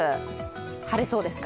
晴れそうですか？